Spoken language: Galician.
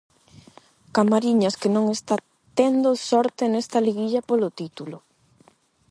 Camariñas que non está tendo sorte nesta liguilla polo título.